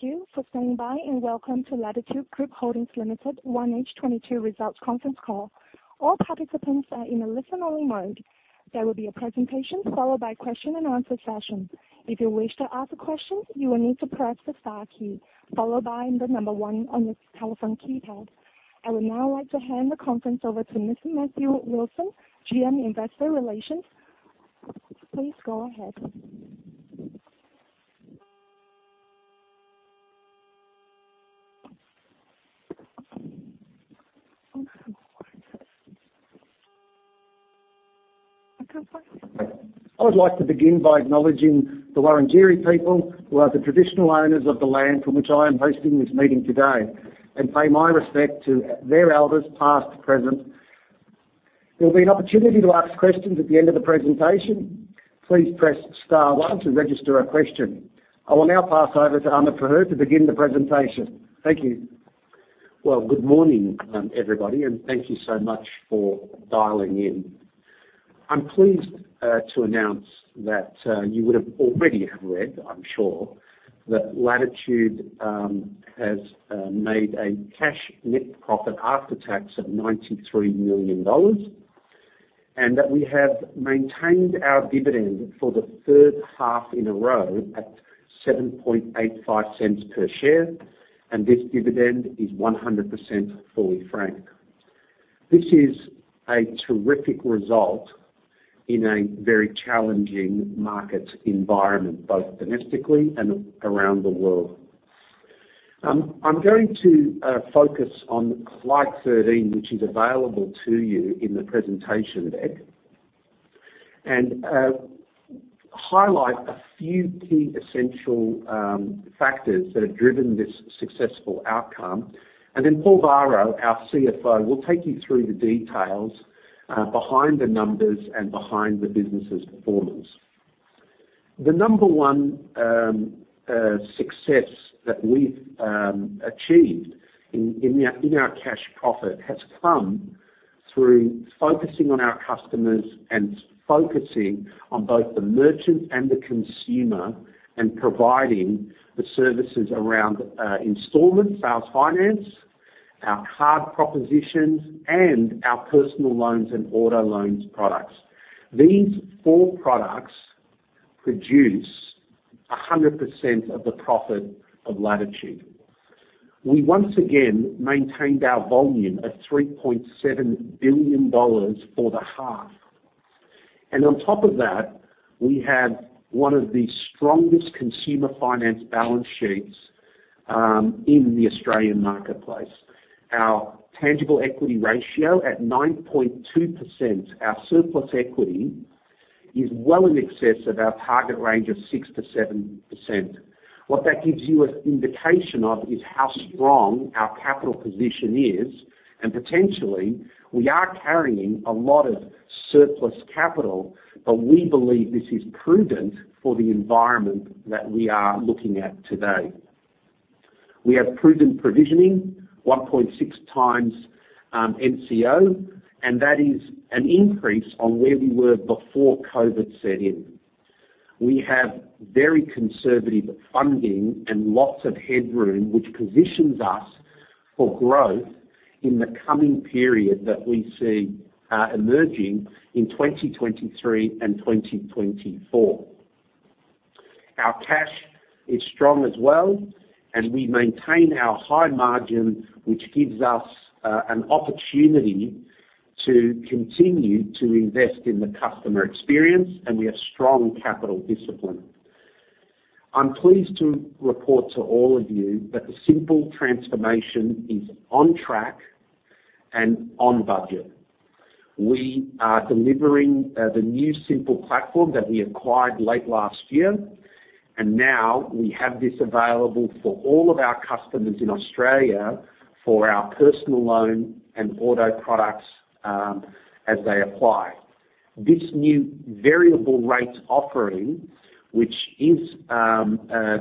Thank you for standing by, and welcome to Latitude Group Holdings Limited 1H22 results conference call. All participants are in a listen-only mode. There will be a presentation followed by question and answer session. If you wish to ask a question, you will need to press the star key, followed by the number one on your telephone keypad. I would now like to hand the conference over to Mr. Matthew Wilson, GM Investor Relations. Please go ahead. I would like to begin by acknowledging the Wurundjeri people who are the traditional owners of the land from which I am hosting this meeting today, and pay my respect to their elders, past, present. There will be an opportunity to ask questions at the end of the presentation. Please press star one to register a question. I will now pass over to Ahmed Fahour for her to begin the presentation. Thank you. Well, good morning, everybody, and thank you so much for dialing in. I'm pleased to announce that you would have already read, I'm sure, that Latitude has made a cash net profit after tax of 93 million dollars, and that we have maintained our dividend for the third half in a row at 0.0785 per share, and this dividend is 100% fully franked. This is a terrific result in a very challenging market environment, both domestically and around the world. I'm going to focus on slide 13, which is available to you in the presentation deck, and highlight a few key essential factors that have driven this successful outcome. Then Paul Varro, our CFO, will take you through the details behind the numbers and behind the business' performance. The number one success that we've achieved in our cash profit has come through focusing on our customers and focusing on both the merchant and the consumer and providing the services around installments, sales finance, our card propositions, and our personal loans and auto loans products. These four products produce 100% of the profit of Latitude. We once again maintained our volume at 3.7 billion dollars for the half. On top of that, we have one of the strongest consumer finance balance sheets in the Australian marketplace. Our tangible equity ratio at 9.2%, our surplus equity is well in excess of our target range of 6%-7%. What that gives you an indication of is how strong our capital position is, and potentially we are carrying a lot of surplus capital, but we believe this is prudent for the environment that we are looking at today. We have prudent provisioning, 1.6 times NCO, and that is an increase on where we were before COVID set in. We have very conservative funding and lots of headroom, which positions us for growth in the coming period that we see emerging in 2023 and 2024. Our cash is strong as well and we maintain our high margin, which gives us an opportunity to continue to invest in the customer experience, and we have strong capital discipline. I'm pleased to report to all of you that the Symple transformation is on track and on budget. We are delivering the new Symple platform that we acquired late last year, and now we have this available for all of our customers in Australia for our personal loan and auto products, as they apply. This new variable rate offering, which is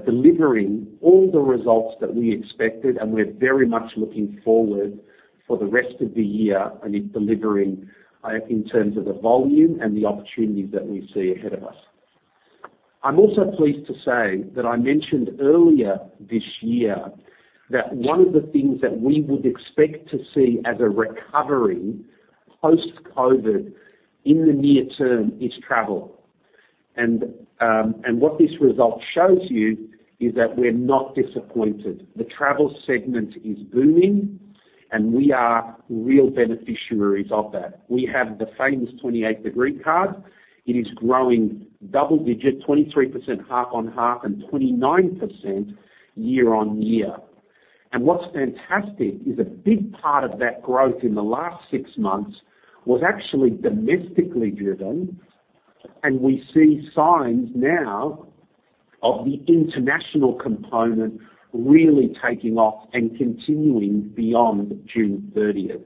delivering all the results that we expected, and we're very much looking forward for the rest of the year, and it's delivering in terms of the volume and the opportunities that we see ahead of us. I'm also pleased to say that I mentioned earlier this year that one of the things that we would expect to see as a recovery post-COVID in the near term is travel. What this result shows you is that we're not disappointed. The travel segment is booming, and we are real beneficiaries of that. We have the famous 28 Degrees card. It is growing double-digit, 23% half-on-half and 29% year-on-year. What's fantastic is a big part of that growth in the last six months was actually domestically driven, and we see signs now of the international component really taking off and continuing beyond June thirtieth.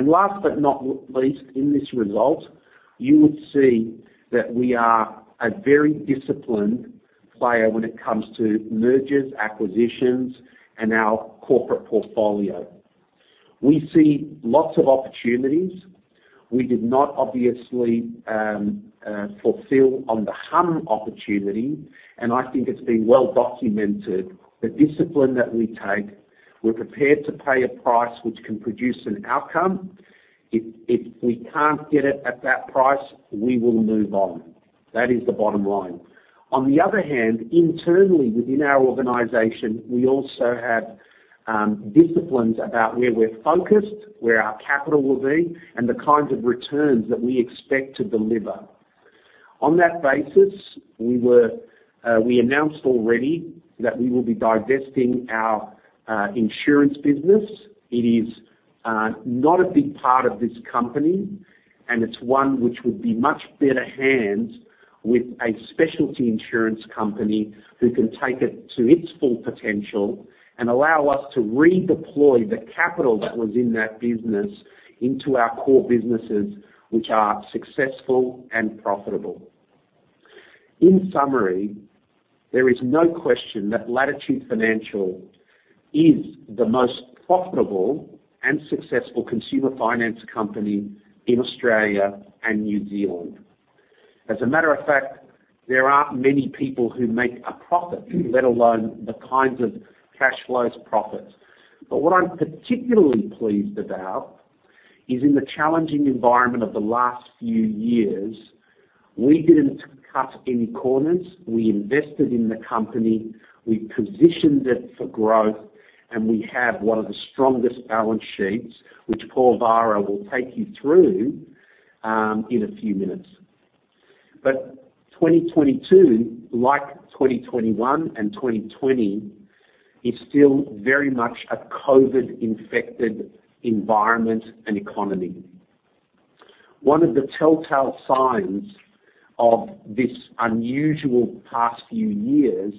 Last but not least in this result, you would see that we are a very disciplined player when it comes to mergers, acquisitions, and our corporate portfolio. We see lots of opportunities. We did not obviously fulfill on the Humm opportunity, and I think it's been well documented. The discipline that we take, we're prepared to pay a price which can produce an outcome. If we can't get it at that price, we will move on. That is the bottom line. On the other hand, internally within our organization, we also have disciplines about where we're focused, where our capital will be, and the kinds of returns that we expect to deliver. On that basis, we announced already that we will be divesting our insurance business. It is not a big part of this company, and it's one which would be much better handled by a specialty insurance company who can take it to its full potential and allow us to redeploy the capital that was in that business into our core businesses, which are successful and profitable. In summary, there is no question that Latitude Financial is the most profitable and successful consumer finance company in Australia and New Zealand. As a matter of fact, there aren't many people who make a profit, let alone the kinds of cash flows profit. What I'm particularly pleased about is in the challenging environment of the last few years, we didn't cut any corners. We invested in the company, we positioned it for growth, and we have one of the strongest balance sheets, which Paul Varro will take you through, in a few minutes. 2022, like 2021 and 2020, is still very much a COVID-infected environment and economy. One of the telltale signs of this unusual past few years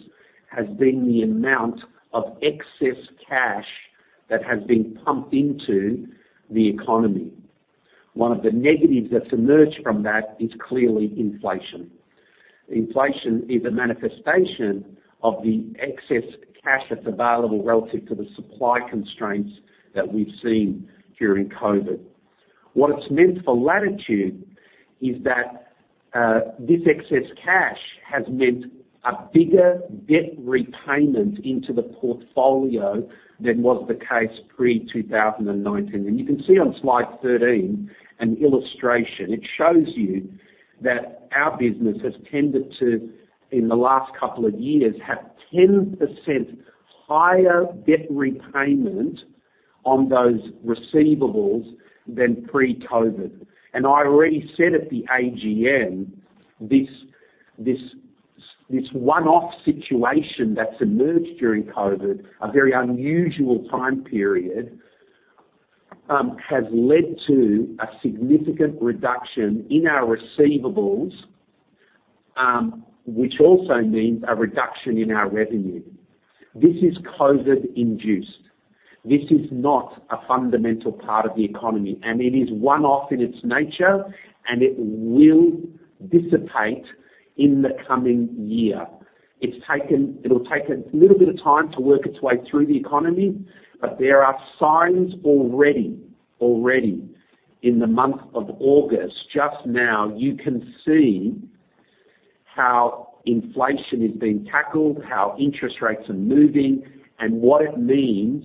has been the amount of excess cash that has been pumped into the economy. One of the negatives that's emerged from that is clearly inflation. Inflation is a manifestation of the excess cash that's available relative to the supply constraints that we've seen during COVID. What it's meant for Latitude is that this excess cash has meant a bigger debt repayment into the portfolio than was the case pre-2019. You can see on slide 13 an illustration. It shows you that our business has tended to, in the last couple of years, have 10% higher debt repayment on those receivables than pre-COVID. I already said at the AGM, this one-off situation that's emerged during COVID, a very unusual time period, has led to a significant reduction in our receivables, which also means a reduction in our revenue. This is COVID-induced. This is not a fundamental part of the economy, and it is one-off in its nature, and it will dissipate in the coming year. It'll take a little bit of time to work its way through the economy, but there are signs already in the month of August, just now, you can see how inflation is being tackled, how interest rates are moving, and what it means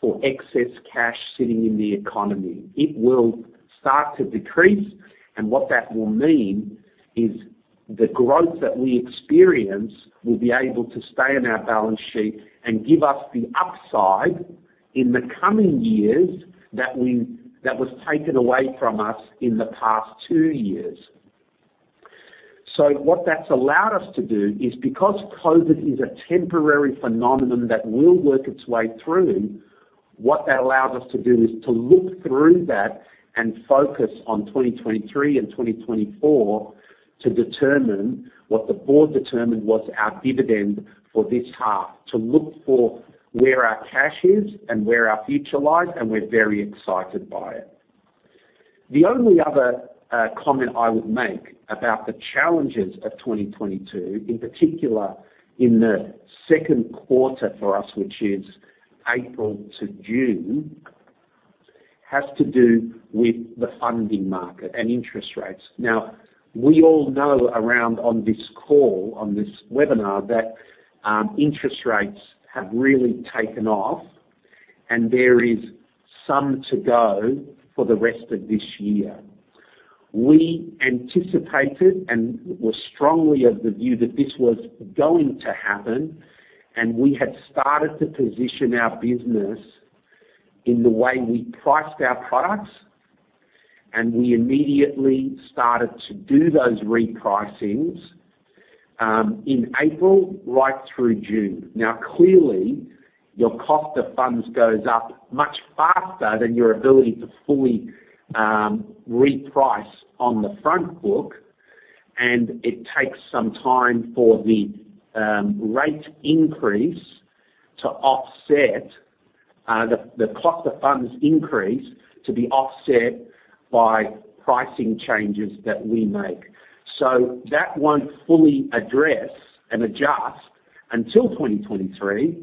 for excess cash sitting in the economy. It will start to decrease, and what that will mean is the growth that we experience will be able to stay in our balance sheet and give us the upside in the coming years that was taken away from us in the past two years. What that's allowed us to do is, because COVID is a temporary phenomenon that will work its way through, what that allows us to do is to look through that and focus on 2023 and 2024 to determine what the board determined was our dividend for this half. To look for where our cash is and where our future lies, and we're very excited by it. The only other comment I would make about the challenges of 2022, in particular in the second quarter for us, which is April to June, has to do with the funding market and interest rates. Now, we all know, everyone on this call, on this webinar, that interest rates have really taken off, and there is some to go for the rest of this year. We anticipated and were strongly of the view that this was going to happen, and we had started to position our business in the way we priced our products, and we immediately started to do those repricings in April, right through June. Now, clearly, your cost of funds goes up much faster than your ability to fully reprice on the front book, and it takes some time for the rate increase to offset the cost of funds increase to be offset by pricing changes that we make. That won't fully address and adjust until 2023,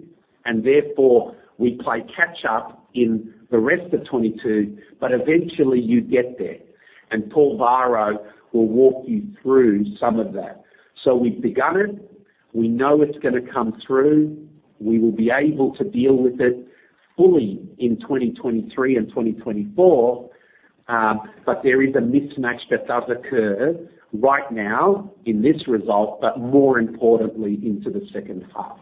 and therefore, we play catch up in the rest of 2022, but eventually you get there. Paul Varro will walk you through some of that. We've begun it. We know it's gonna come through. We will be able to deal with it fully in 2023 and 2024. There is a mismatch that does occur right now in this result, but more importantly into the second half.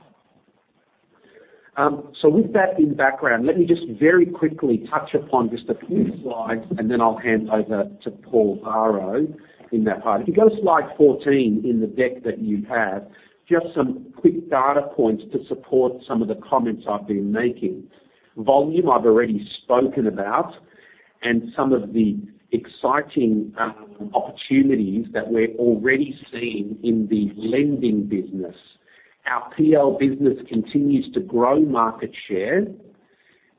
With that in background, let me just very quickly touch upon just a few slides, and then I'll hand over to Paul Varro in that part. If you go to slide 14 in the deck that you have, just some quick data points to support some of the comments I've been making. Volume I've already spoken about, and some of the exciting opportunities that we're already seeing in the lending business. Our PL business continues to grow market share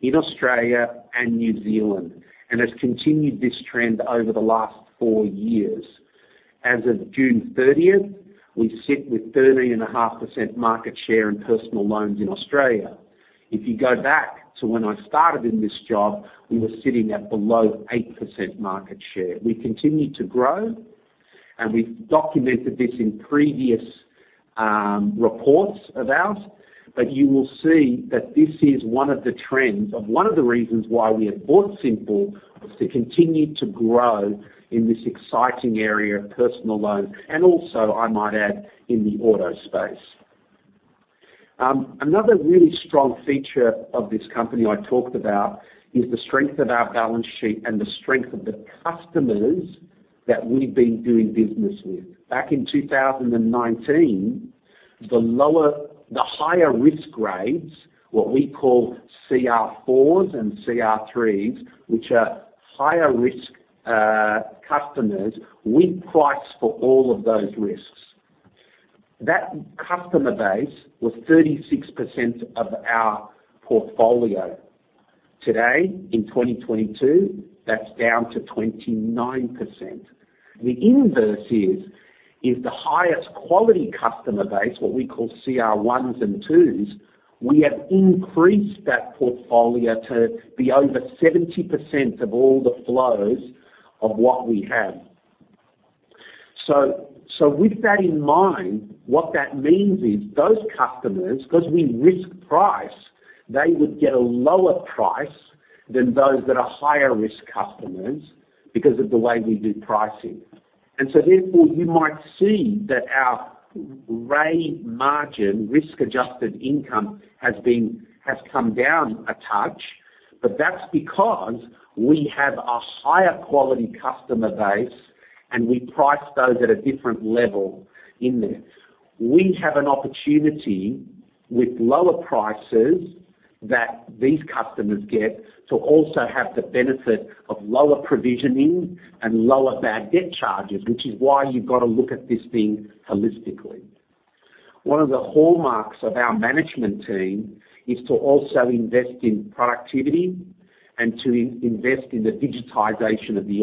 in Australia and New Zealand, and has continued this trend over the last four years. As of June 30th, we sit with 13.5% market share in personal loans in Australia. If you go back to when I started in this job, we were sitting at below 8% market share. We continue to grow, and we've documented this in previous reports of ours, but you will see that this is one of the trends of one of the reasons why we have bought Symple was to continue to grow in this exciting area of personal loan, and also, I might add, in the auto space. Another really strong feature of this company I talked about is the strength of our balance sheet and the strength of the customers that we've been doing business with. Back in 2019, the higher risk grades, what we call CR4s and CR3s, which are higher risk customers, we price for all of those risks. That customer base was 36% of our portfolio. Today, in 2022, that's down to 29%. The inverse is the highest quality customer base, what we call CR1s and CR2s, we have increased that portfolio to be over 70% of all the flows of what we have. With that in mind, what that means is those customers, 'cause we risk price, they would get a lower price than those that are higher risk customers because of the way we do pricing. Therefore, you might see that our RAI margin, risk-adjusted income, has come down a touch, but that's because we have a higher quality customer base, and we price those at a different level in there. We have an opportunity with lower prices that these customers get to also have the benefit of lower provisioning and lower bad debt charges, which is why you've got to look at this thing holistically. One of the hallmarks of our management team is to also invest in productivity and to invest in the digitization of the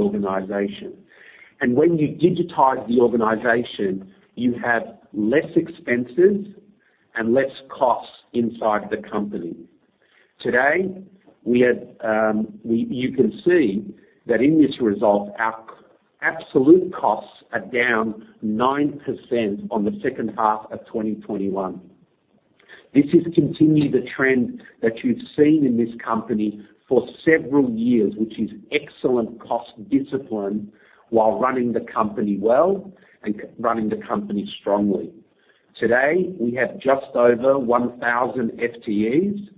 organization. When you digitize the organization, you have less expenses and less costs inside the company. Today, you can see that in this result, our absolute costs are down 9% on the second half of 2021. This has continued the trend that you've seen in this company for several years, which is excellent cost discipline while running the company well and running the company strongly. Today, we have just over 1,000 FTEs.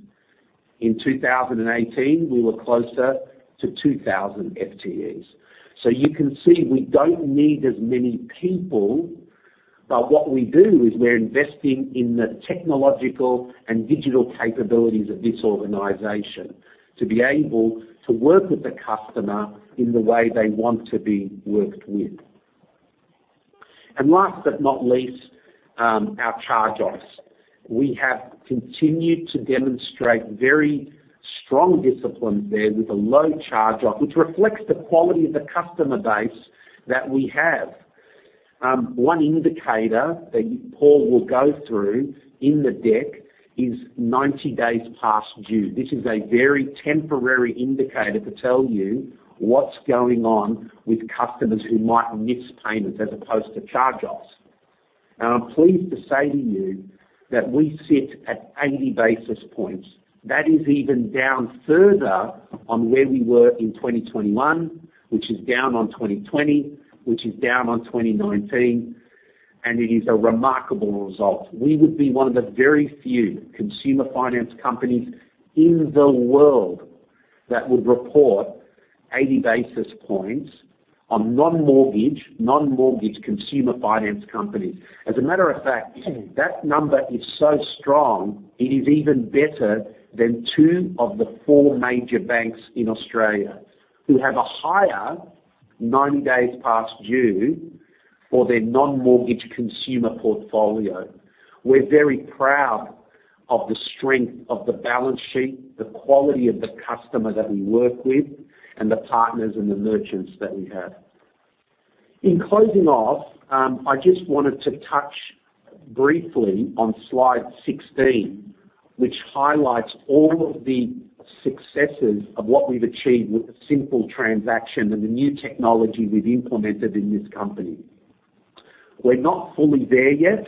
In 2018, we were closer to 2,000 FTEs. You can see we don't need as many people, but what we do is we're investing in the technological and digital capabilities of this organization to be able to work with the customer in the way they want to be worked with. Last but not least, our charge-offs. We have continued to demonstrate very strong discipline there with a low charge-off, which reflects the quality of the customer base that we have. One indicator that Paul will go through in the deck is 90 days past due. This is a very temporary indicator to tell you what's going on with customers who might miss payments as opposed to charge-offs. I'm pleased to say to you that we sit at 80 basis points. That is even down further on where we were in 2021, which is down on 2020, which is down on 2019, and it is a remarkable result. We would be one of the very few consumer finance companies in the world that would report 80 basis points on non-mortgage, non-mortgage consumer finance companies. As a matter of fact, that number is so strong, it is even better than two of the four major banks in Australia who have a higher 90 days past due for their non-mortgage consumer portfolio. We're very proud of the strength of the balance sheet, the quality of the customer that we work with, and the partners and the merchants that we have. In closing off, I just wanted to touch briefly on slide 16, which highlights all of the successes of what we've achieved with the Symple transaction and the new technology we've implemented in this company. We're not fully there yet,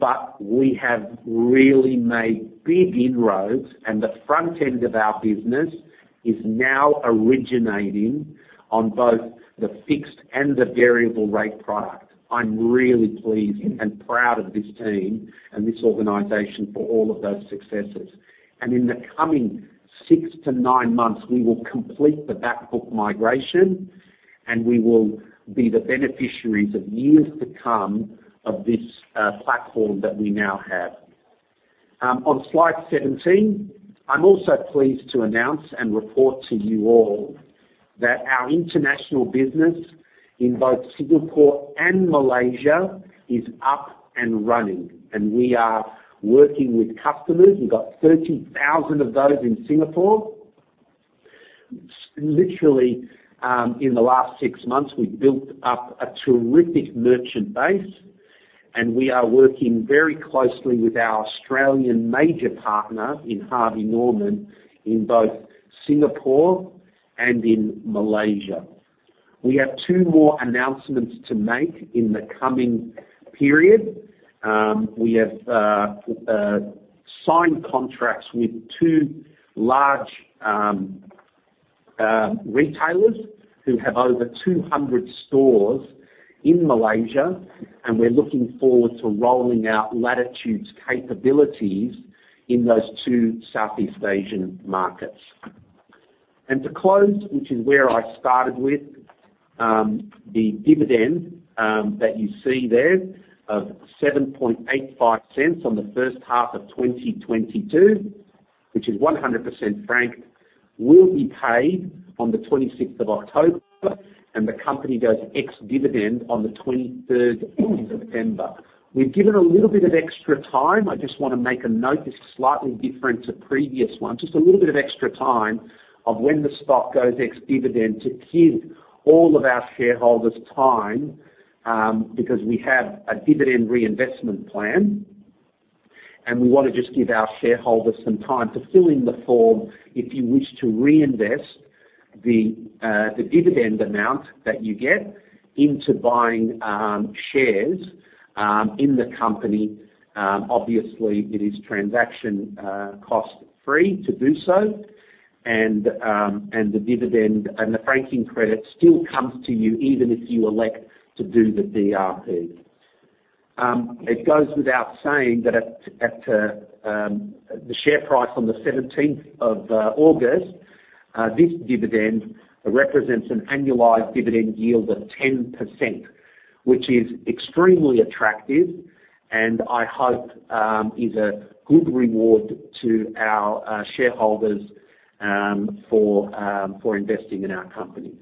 but we have really made big inroads, and the front end of our business is now originating on both the fixed and the variable rate product. I'm really pleased and proud of this team and this organization for all of those successes. In the coming 6-9 months, we will complete the backbook migration, and we will be the beneficiaries of years to come of this platform that we now have. On slide 17, I'm also pleased to announce and report to you all that our international business in both Singapore and Malaysia is up and running, and we are working with customers. We've got 30,000 of those in Singapore. Literally, in the last six months, we've built up a terrific merchant base, and we are working very closely with our Australian major partner in Harvey Norman in both Singapore and in Malaysia. We have two more announcements to make in the coming period. We have signed contracts with two large retailers who have over 200 stores in Malaysia, and we're looking forward to rolling out Latitude's capabilities in those two Southeast Asian markets. To close, which is where I started with, the dividend that you see there of 7.85 cents on the first half of 2022, which is 100% franked, will be paid on the twenty-sixth of October, and the company goes ex-dividend on the twenty-third of September. We've given a little bit of extra time. I just wanna make a note. It's slightly different to previous ones. Just a little bit of extra time of when the stock goes ex-dividend to give all of our shareholders time, because we have a dividend reinvestment plan, and we wanna just give our shareholders some time to fill in the form if you wish to reinvest the the dividend amount that you get into buying shares in the company. Obviously, it is transaction cost-free to do so. The dividend and the franking credit still comes to you even if you elect to do the DRP. It goes without saying that at the share price on the seventeenth of August, this dividend represents an annualized dividend yield of 10%, which is extremely attractive and I hope is a good reward to our shareholders for investing in our company.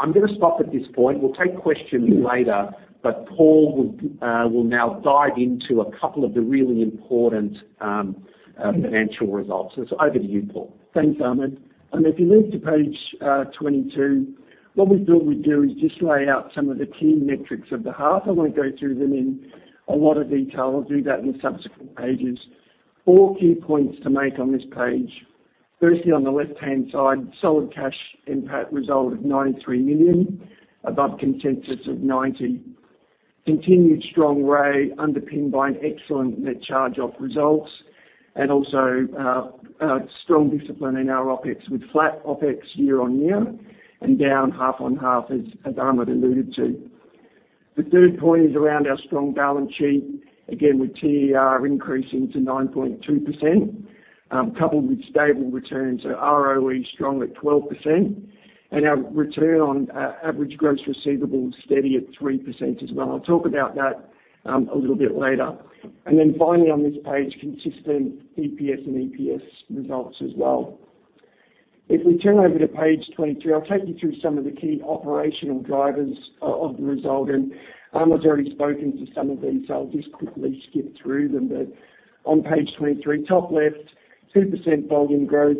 I'm gonna stop at this point. We'll take questions later, but Paul will now dive into a couple of the really important financial results. It's over to you, Paul. Thanks, Ahmed. If you move to page 22, what we thought we'd do is just lay out some of the key metrics of the half. I wanna go through them in a lot of detail. I'll do that in the subsequent pages. Four key points to make on this page. Firstly, on the left-hand side, solid cash NPAT result of 93 million, above consensus of 90 million. Continued strong rate underpinned by an excellent net charge-off results and also strong discipline in our OpEx, with flat OpEx year-on-year and down half-on-half, as Ahmed alluded to. The third point is around our strong balance sheet, again, with TER increasing to 9.2%, coupled with stable returns at ROE strong at 12%, and our return on average gross receivables steady at 3% as well. I'll talk about that, a little bit later. Then finally, on this page, consistent EPS results as well. If we turn over to page 23, I'll take you through some of the key operational drivers of the result. Ahmed Fahour's already spoken to some of these, so I'll just quickly skip through them. On page 23, top left, 2% volume growth,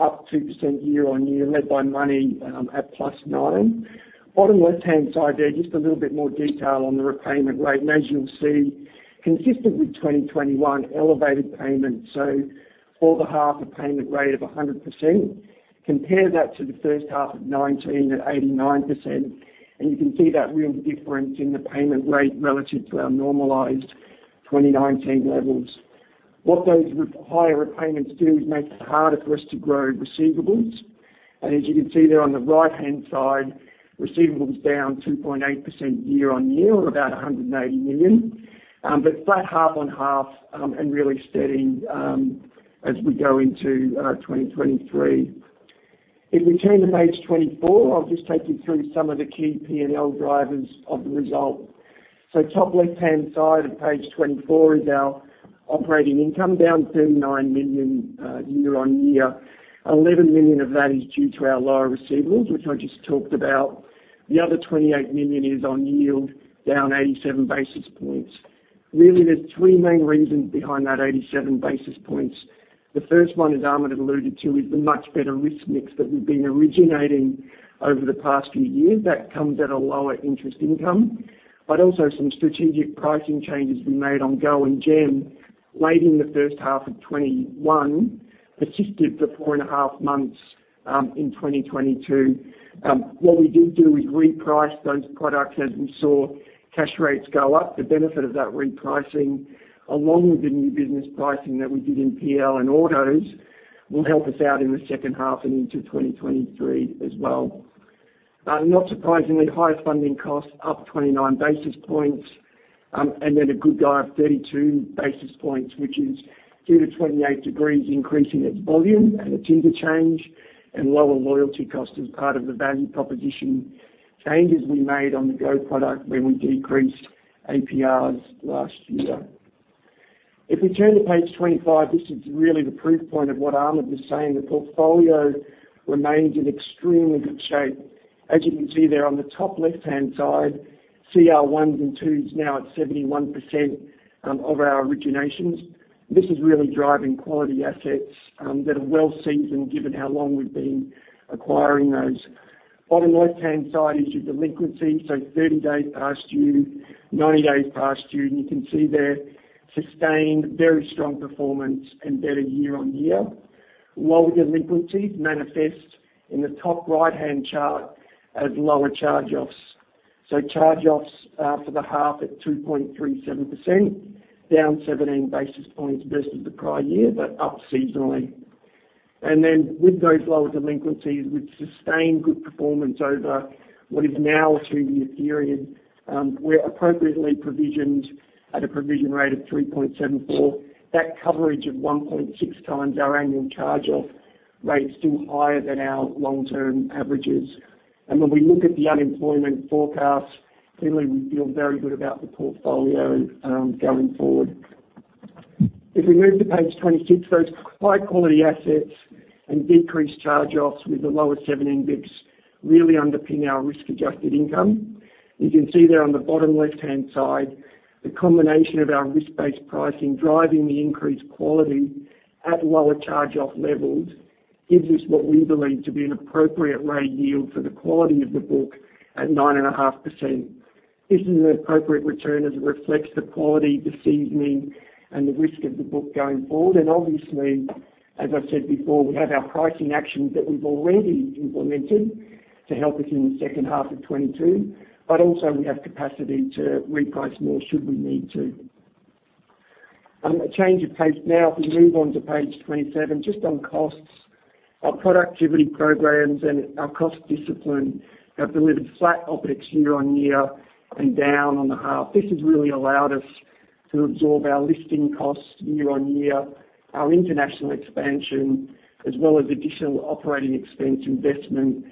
up 2% year-on-year, led by money, at +9. Bottom left-hand side there, just a little bit more detail on the repayment rate. As you'll see, consistent with 2021, elevated payments. For the half, a payment rate of 100%. Compare that to the first half of 2019 at 89%, and you can see that real difference in the payment rate relative to our normalized 2019 levels. What those higher repayments do is make it harder for us to grow receivables. As you can see there on the right-hand side, receivables down 2.8% year-on-year, or about 180 million. But flat half-on-half, and really steady, as we go into 2023. If we turn to page 24, I'll just take you through some of the key P&L drivers of the result. Top left-hand side of page 24 is our operating income, down 39 million year-on-year. 11 million of that is due to our lower receivables, which I just talked about. The other 28 million is on yield, down 87 basis points. Really, there's three main reasons behind that 87 basis points. The first one, as Ahmed alluded to, is the much better risk mix that we've been originating over the past few years. That comes at a lower interest income, but also some strategic pricing changes we made on GO and Gem late in the first half of 2021, persisted for four and a half months in 2022. What we did do is reprice those products as we saw cash rates go up. The benefit of that repricing, along with the new business pricing that we did in PL and autos, will help us out in the second half and into 2023 as well. Not surprisingly, higher funding costs up 29 basis points, and then a good 32 basis points, which is due to 28 Degrees increasing its volume and its interchange and lower loyalty cost as part of the value proposition changes we made on the GO product when we decreased APRs last year. If we turn to page 25, this is really the proof point of what Ahmed Fahour was saying. The portfolio remains in extremely good shape. As you can see there on the top left-hand side, CR1s and CR2s now at 71% of our originations. This is really driving quality assets that are well-seasoned, given how long we've been acquiring those. Bottom left-hand side is your delinquency, so 30 days past due, 90 days past due, and you can see there, sustained very strong performance and better year-on-year. Lower delinquencies manifest in the top right-hand chart as lower charge-offs. Charge-offs for the half at 2.37%, down 17 basis points versus the prior year, but up seasonally. With those lower delinquencies, we've sustained good performance over what is now a two-year period, we're appropriately provisioned at a provision rate of 3.74. That coverage of 1.6 times our annual charge-off rate is still higher than our long-term averages. When we look at the unemployment forecast, clearly we feel very good about the portfolio, going forward. If we move to page 26, those high-quality assets and decreased charge-offs with the lower 17 basis points really underpin our risk-adjusted income. You can see there on the bottom left-hand side, the combination of our risk-based pricing driving the increased quality at lower charge-off levels gives us what we believe to be an appropriate rate yield for the quality of the book at 9.5%. This is an appropriate return as it reflects the quality, the seasoning, and the risk of the book going forward. Obviously, as I said before, we have our pricing actions that we've already implemented to help us in the second half of 2022, but also we have capacity to reprice more should we need to. A change of pace now. If we move on to page 27, just on costs. Our productivity programs and our cost discipline have delivered flat OpEx year-over-year and down on the half. This has really allowed us to absorb our listing costs year-over-year, our international expansion, as well as additional operating expense investment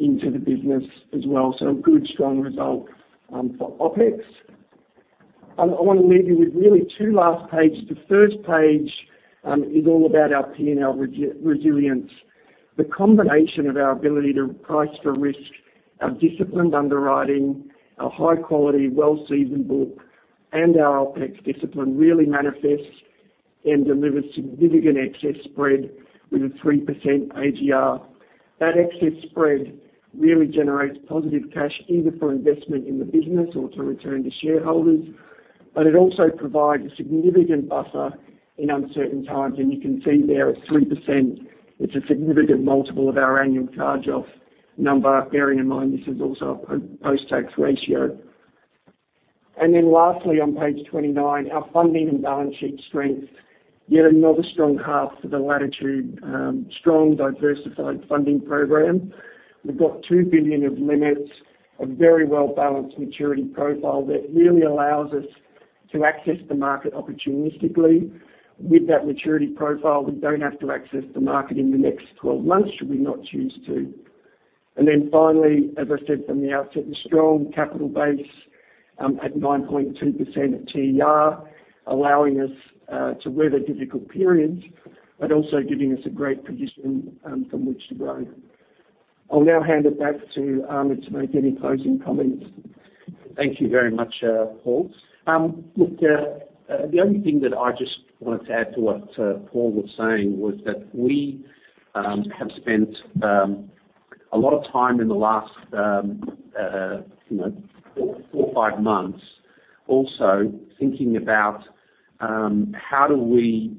into the business as well. So a good, strong result for OpEx. I wanna leave you with really two last page. The first page is all about our P&L resilience. The combination of our ability to price for risk, our disciplined underwriting, our high quality, well-seasoned book, and our OpEx discipline really manifests and delivers significant excess spread with a 3% AGR. That excess spread really generates positive cash, either for investment in the business or to return to shareholders, but it also provides a significant buffer in uncertain times. You can see there at 3%, it's a significant multiple of our annual charge-off number, bearing in mind this is also a post-tax ratio. Lastly, on page 29, our funding and balance sheet strength. Yet another strong half for Latitude, strong diversified funding program. We've got 2 billion of limits, a very well-balanced maturity profile that really allows us to access the market opportunistically. With that maturity profile, we don't have to access the market in the next 12 months should we not choose to. Finally, as I said from the outset, the strong capital base, at 9.2% TER, allowing us, to weather difficult periods, but also giving us a great position, from which to grow. I'll now hand it back to Ahmed Fahour to make any closing comments. Thank you very much, Paul. Look, the only thing that I just wanted to add to what Paul was saying was that we have spent a lot of time in the last, you know, four or five months also thinking about how do we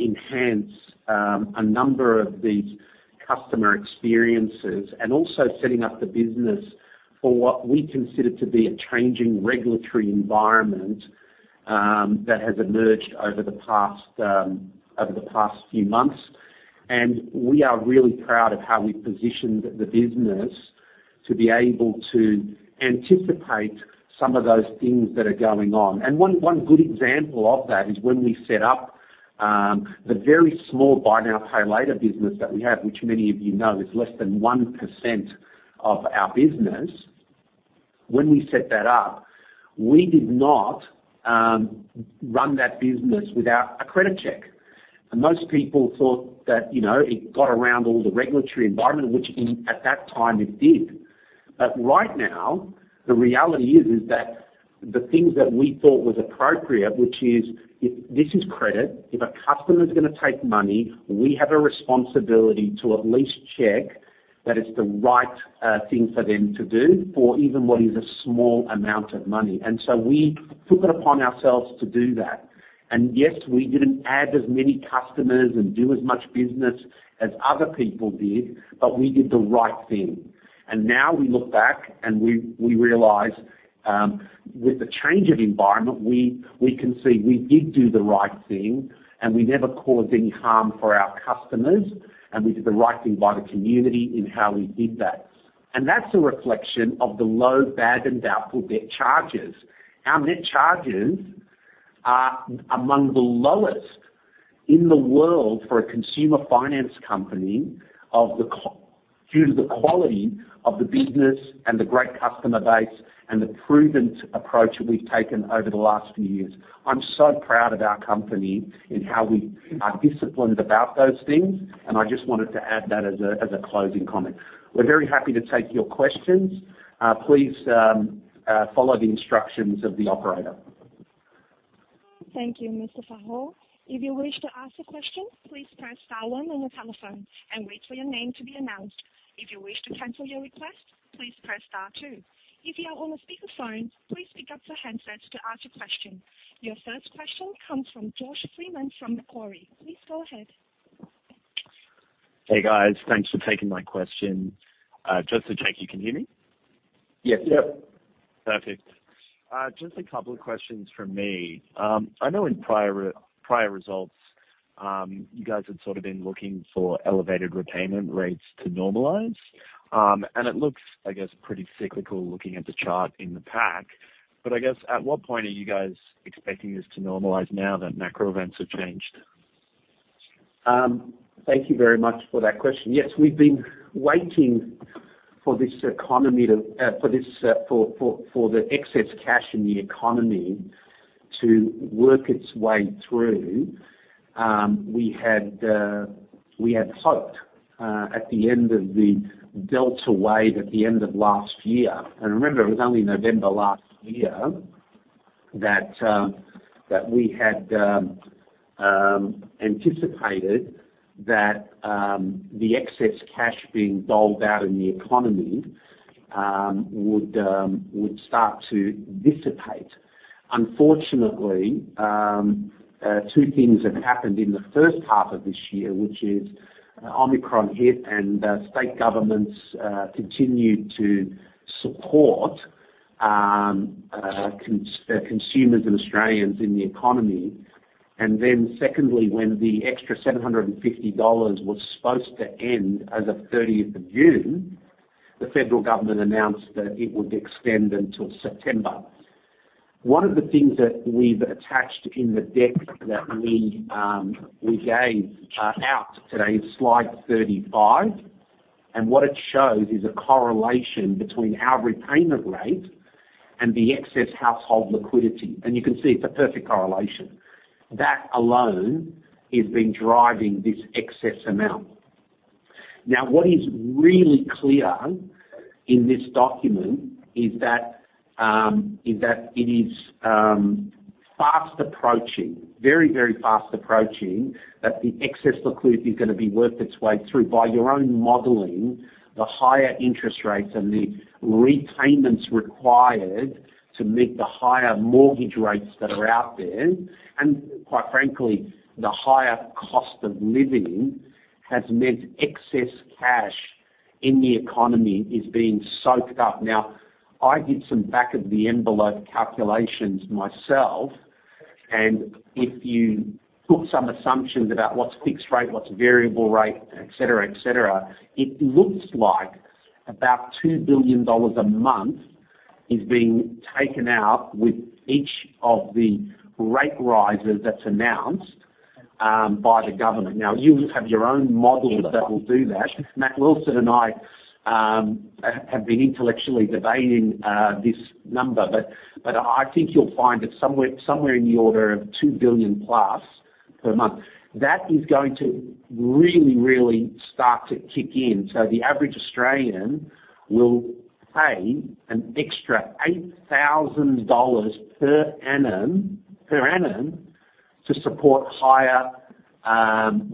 enhance a number of these customer experiences and also setting up the business for what we consider to be a changing regulatory environment that has emerged over the past few months. We are really proud of how we've positioned the business to be able to anticipate some of those things that are going on. One good example of that is when we set up the very small buy now, pay later business that we have, which many of you know is less than 1% of our business. When we set that up, we did not run that business without a credit check. Most people thought that, you know, it got around all the regulatory environment, which at that time, it did. Right now, the reality is that the things that we thought was appropriate, which is if this is credit, if a customer's gonna take money, we have a responsibility to at least check that it's the right thing for them to do for even what is a small amount of money. We took it upon ourselves to do that. Yes, we didn't add as many customers and do as much business as other people did, but we did the right thing. Now we look back and we realize with the change of environment, we can see we did do the right thing, and we never caused any harm for our customers, and we did the right thing by the community in how we did that. That's a reflection of the low, bad, and doubtful debt charges. Our net charges are among the lowest in the world for a consumer finance company due to the quality of the business and the great customer base and the prudent approach that we've taken over the last few years. I'm so proud of our company in how we are disciplined about those things, and I just wanted to add that as a closing comment. We're very happy to take your questions. Please, follow the instructions of the operator. Thank you, Mr. Fahour. If you wish to ask a question, please press star one on your telephone and wait for your name to be announced. If you wish to cancel your request, please press star two. If you are on a speakerphone, please pick up the handsets to ask your question. Your first question comes from Josh Freeman from Macquarie. Please go ahead. Hey, guys. Thanks for taking my question. Just to check, you can hear me? Yes. Perfect. Just a couple of questions from me. I know in prior results, you guys had sort of been looking for elevated repayment rates to normalize, and it looks, I guess, pretty cyclical looking at the chart in the pack. I guess, at what point are you guys expecting this to normalize now that macro events have changed? Thank you very much for that question. Yes, we've been waiting for the excess cash in the economy to work its way through. We had hoped at the end of the Delta wave at the end of last year, and remember, it was only November last year, that we had anticipated that the excess cash being doled out in the economy would start to dissipate. Unfortunately, two things have happened in the first half of this year, which is Omicron hit and state governments continued to support consumers and Australians in the economy. Then secondly, when the extra 750 dollars was supposed to end as of thirtieth of June, the federal government announced that it would extend until September. One of the things that we've attached in the deck that we gave out today is slide 35, and what it shows is a correlation between our repayment rate and the excess household liquidity. You can see it's a perfect correlation. That alone has been driving this excess amount. Now, what is really clear in this document is that it is very, very fast approaching that the excess liquidity is gonna be worked its way through. By your own modeling, the higher interest rates and the repayments required to meet the higher mortgage rates that are out there, and quite frankly, the higher cost of living, has meant excess cash in the economy is being soaked up. Now, I did some back of the envelope calculations myself, and if you put some assumptions about what's fixed rate, what's variable rate, et cetera, et cetera, it looks like about 2 billion dollars a month is being taken out with each of the rate rises that's announced by the government. Now, you'll have your own models that will do that. Matt Wilson and I have been intellectually debating this number but I think you'll find it's somewhere in the order of 2 billion-plus per month. That is going to really start to kick in. The average Australian will pay an extra 8,000 dollars per annum to support higher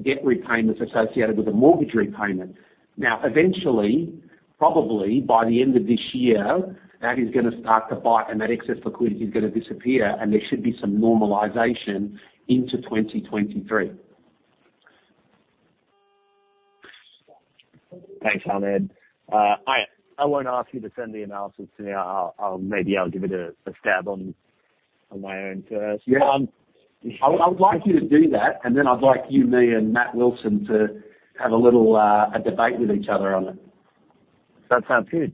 debt repayments associated with the mortgage repayment. Now eventually, probably by the end of this year, that is gonna start to bite and that excess liquidity is gonna disappear, and there should be some normalization into 2023. Thanks, Ahmed. I won't ask you to send the analysis to me. Maybe I'll give it a stab on my own first. Yeah. I would like you to do that, and then I'd like you, me, and Matt Wilson to have a little debate with each other on it. That sounds good.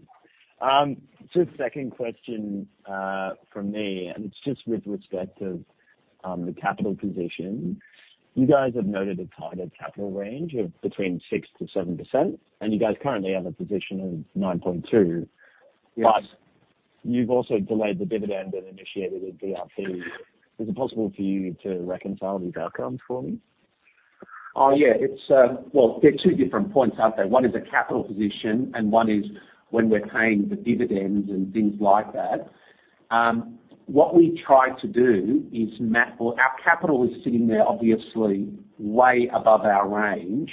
Just second question from me, and it's just with respect to the capital position. You guys have noted a target capital range of between 6%-7%, and you guys currently have a position of 9.2%. Yes. You've also delayed the dividend and initiated a DRP. Is it possible for you to reconcile these outcomes for me? Yeah. It's. Well, there are two different points out there. One is a capital position, and one is when we're paying the dividends and things like that. What we try to do is. Well, our capital is sitting there, obviously way above our range.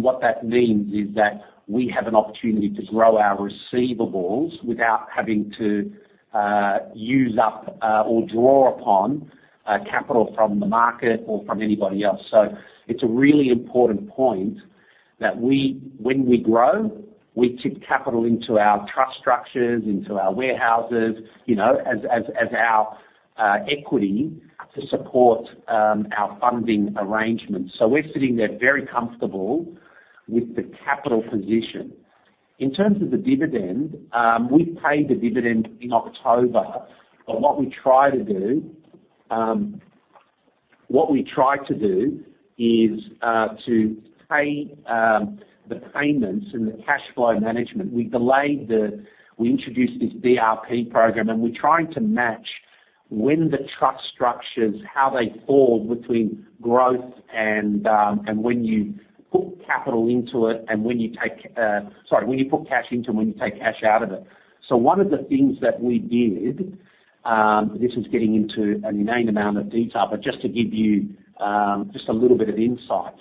What that means is that we have an opportunity to grow our receivables without having to use up or draw upon capital from the market or from anybody else. It's a really important point that when we grow, we tip capital into our trust structures, into our warehouses, you know, as our equity to support our funding arrangements. We're sitting there very comfortable with the capital position. In terms of the dividend, we paid the dividend in October, but what we try to do is to pay the payments and the cash flow management. We introduced this DRP program, and we're trying to match when the trust structures, how they fall between growth and when you put cash into and when you take cash out of it. One of the things that we did, this is getting into an inane amount of detail, but just to give you, just a little bit of insight.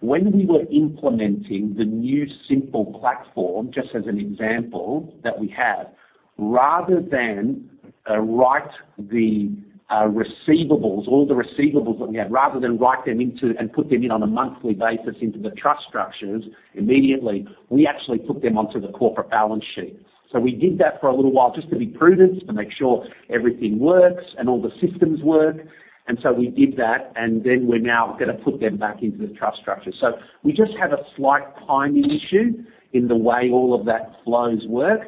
When we were implementing the new Symple platform, just as an example that we have, rather than write the receivables, all the receivables that we had, rather than write them into and put them in on a monthly basis into the trust structures immediately, we actually put them onto the corporate balance sheet. We did that for a little while just to be prudent, to make sure everything works and all the systems work. We did that, and then we're now gonna put them back into the trust structure. We just have a slight timing issue in the way all of that flows work.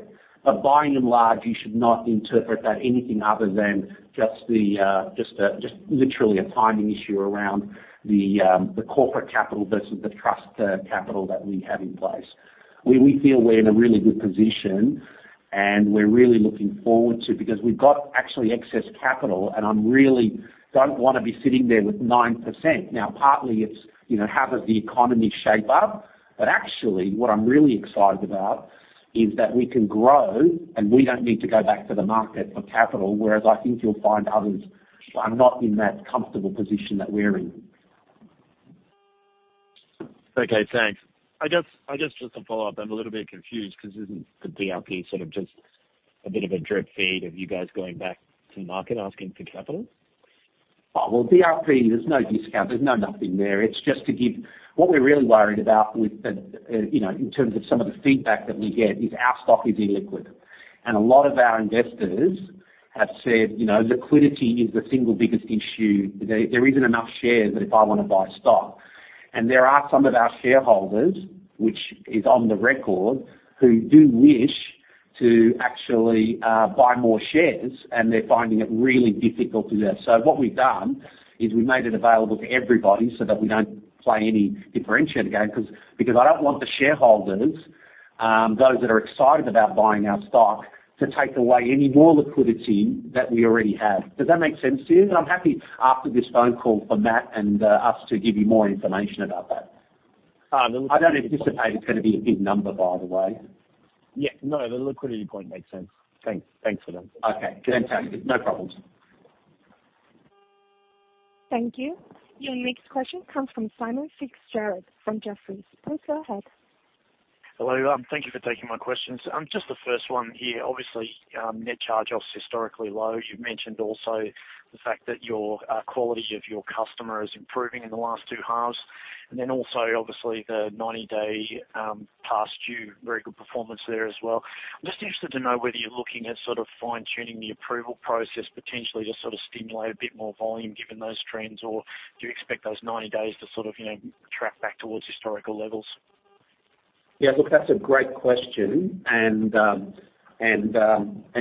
By and large, you should not interpret that anything other than just literally a timing issue around the corporate capital versus the trust capital that we have in place, where we feel we're in a really good position and we're really looking forward to it because we've got actually excess capital, and I'm really don't wanna be sitting there with 9%. Now, partly it's, you know, how does the economy shape up? Actually, what I'm really excited about is that we can grow, and we don't need to go back to the market for capital, whereas I think you'll find others are not in that comfortable position that we're in. Okay, thanks. I guess just to follow up, I'm a little bit confused because isn't the DRP sort of just a bit of a drip feed of you guys going back to the market asking for capital? Well, DRP, there's no discount, there's no nothing there. It's just to give. What we're really worried about with the, you know, in terms of some of the feedback that we get is our stock is illiquid. A lot of our investors have said, "You know, liquidity is the single biggest issue. There isn't enough shares if I wanna buy stock." There are some of our shareholders, which is on the record, who do wish to actually buy more shares, and they're finding it really difficult to do that. What we've done is we've made it available to everybody so that we don't play any differentiated game because I don't want the shareholders, those that are excited about buying our stock to take away any more liquidity that we already have. Does that make sense to you? I'm happy after this phone call for Matt and us to give you more information about that. Oh, the- I don't anticipate it's gonna be a big number, by the way. Yeah. No, the liquidity point makes sense. Thanks. Thanks for that. Okay. Fantastic. No problems. Thank you. Your next question comes from Simon Fitzgerald from Jefferies. Please go ahead. Hello. Thank you for taking my questions. Just the first one here, obviously, net charge-offs historically low. You've mentioned also the fact that your quality of your customer is improving in the last two halves. Then also, obviously, the 90-day past due, very good performance there as well. I'm just interested to know whether you're looking at sort of fine-tuning the approval process potentially to sort of stimulate a bit more volume given those trends, or do you expect those 90 days to sort of track back towards historical levels? Yeah. Look, that's a great question.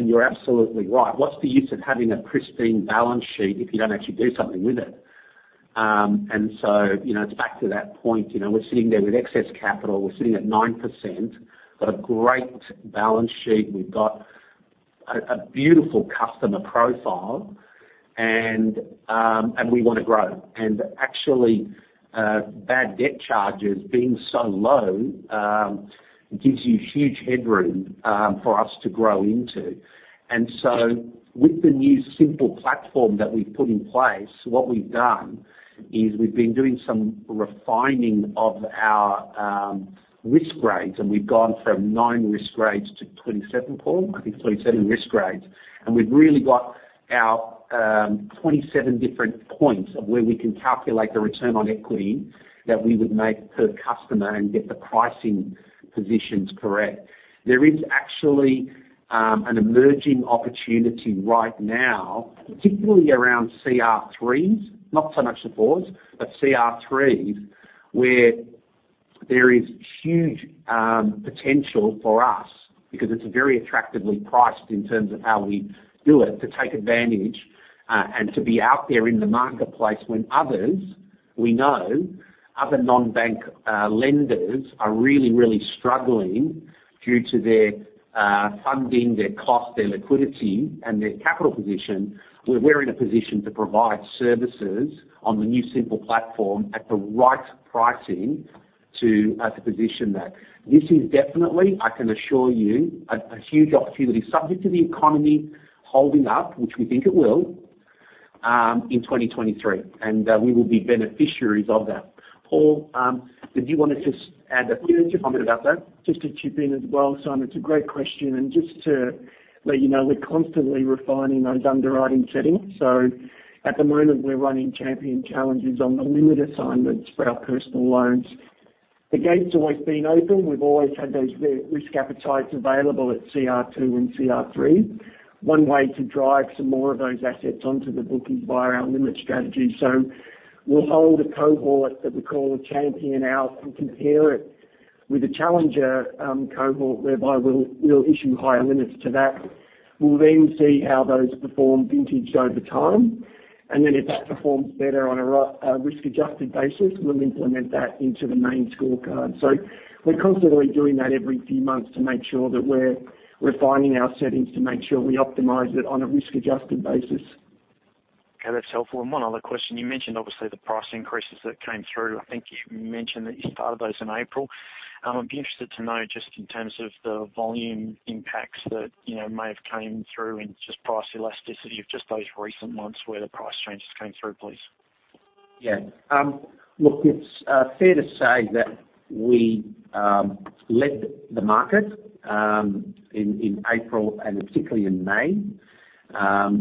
You're absolutely right. What's the use of having a pristine balance sheet if you don't actually do something with it? You know, it's back to that point. You know, we're sitting there with excess capital. We're sitting at 9%. Got a great balance sheet. We've got a beautiful customer profile, and we wanna grow. Actually, bad debt charges being so low gives you huge headroom for us to grow into. With the new Symple platform that we've put in place, what we've done is we've been doing some refining of our risk grades, and we've gone from 9 risk grades to 27, Paul. I think 27 risk grades. We've really got our 27 different points of where we can calculate the return on equity that we would make per customer and get the pricing positions correct. There is actually an emerging opportunity right now, particularly around CR3s, not so much the 4s, but CR3s, where there is huge potential for us because it's very attractively priced in terms of how we do it to take advantage and to be out there in the marketplace when others we know other non-bank lenders are really struggling due to their funding, their cost, their liquidity and their capital position. We're in a position to provide services on the new Symple platform at the right pricing to position that. This is definitely, I can assure you, a huge opportunity subject to the economy holding up, which we think it will, in 2023, and we will be beneficiaries of that. Paul, did you wanna just add a comment about that? Just to chip in as well, Simon, it's a great question. Just to let you know, we're constantly refining those underwriting settings. At the moment, we're running champion challenges on the limit assignments for our personal loans. The gate's always been open. We've always had those risk appetites available at CR2 and CR3. One way to drive some more of those assets onto the book is via our limit strategy. We'll hold a cohort that we call a champion out and compare it with a challenger cohort, whereby we'll issue higher limits to that. We'll then see how those perform vintaged over time. Then if that performs better on a risk-adjusted basis, we'll implement that into the main scorecard. We're constantly doing that every few months to make sure that we're refining our settings to make sure we optimize it on a risk-adjusted basis. Okay, that's helpful. One other question. You mentioned obviously the price increases that came through. I think you mentioned that you started those in April. I'd be interested to know just in terms of the volume impacts that, you know, may have came through in just price elasticity of just those recent months where the price changes came through, please. Yeah. Look, it's fair to say that we led the market in April and particularly in May. There's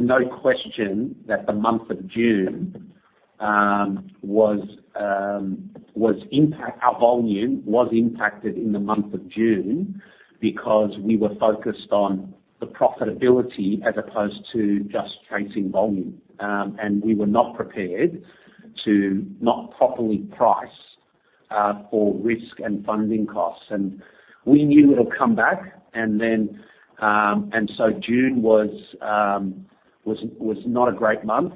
no question that our volume was impacted in the month of June because we were focused on the profitability as opposed to just chasing volume. We were not prepared to not properly price for risk and funding costs. We knew it'll come back, and then June was not a great month.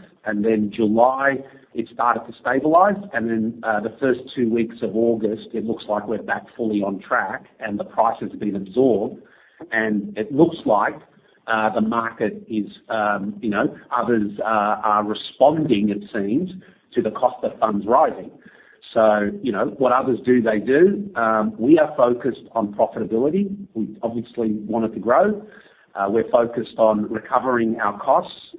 July, it started to stabilize. The first two weeks of August, it looks like we're back fully on track, and the price has been absorbed. It looks like the market is, you know, others are responding, it seems, to the cost of funds rising. You know, what others do, they do. We are focused on profitability. We obviously want it to grow. We're focused on recovering our costs,